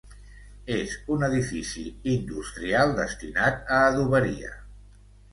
És un edifici industrial destinat a adoberia.